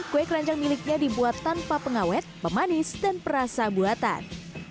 kue keranjang miliknya dibuat tanpa pengawet pemanis dan perasa buatan